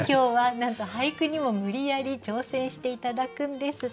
なんと俳句にも無理やり挑戦して頂くんです楽しみです。